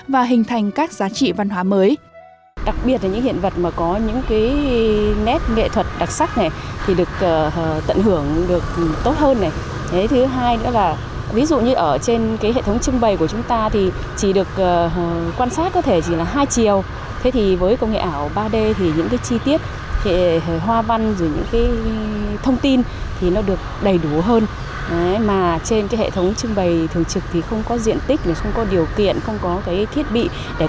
và hình thành các giá trị văn hóa mới